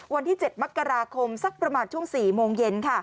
วันที่๗มกราคมสักประมาณช่วง๔โมงเย็น